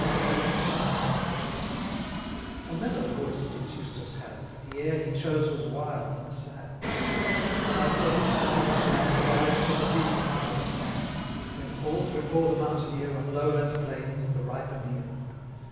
IX. A mellow voice Fitz Eustace had, 130 The air he chose was wild and sad; Such have I heard, in Scottish land, Rise from the busy harvest band, When falls before the mountaineer, On Lowland plains, the ripen'd ear.